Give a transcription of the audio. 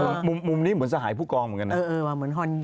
แต่มุมนี้เหมือนสหายผู้กองเหมือนกันนะเออว่าเหมือนฮ่อนยอมบิน